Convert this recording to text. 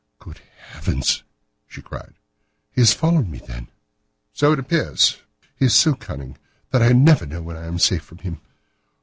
"Good heavens!" she cried, "he has followed me, then." "So it appears." "He is so cunning that I never know when I am safe from him.